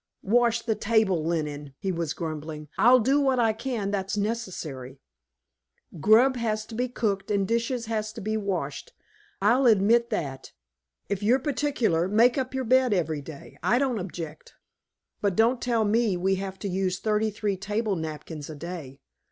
"Wash the table linen!" he was grumbling. "I'll do what I can that's necessary. Grub has to be cooked, and dishes has to be washed I'll admit that. If you're particular, make up your bed every day; I don't object. But don't tell me we have to use thirty three table napkins a day.